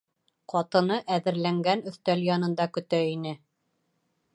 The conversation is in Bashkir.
Ҡатыны әҙерләнгән өҫтәл янында көтә ине.